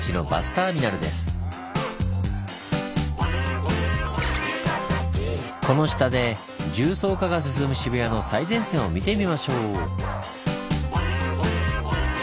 この下で重層化が進む渋谷の最前線を見てみましょう！